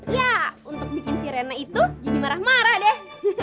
ya untuk bikin sirena itu jadi marah marah deh